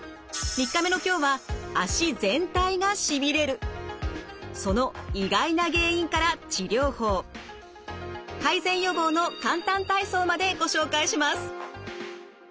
３日目の今日はその意外な原因から治療法改善・予防の簡単体操までご紹介します。